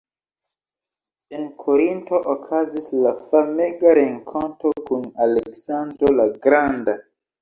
En Korinto okazis la famega renkonto kun Aleksandro la Granda.